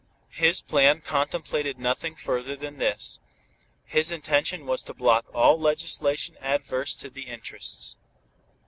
His plan contemplated nothing further than this. His intention was to block all legislation adverse to the interests.